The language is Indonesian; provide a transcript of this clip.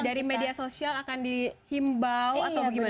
jadi dari media sosial akan dihimbau atau bagaimana